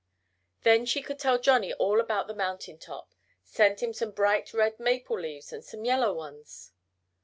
Then she could tell Johnnie all about the mountain top send him some bright red maple leaves, and some yellow ones.